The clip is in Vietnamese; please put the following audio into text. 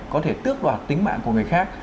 có thể tước đoạt tính mạng của người khác